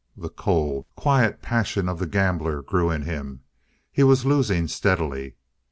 The cold, quiet passion of the gambler grew in him. He was losing steadily.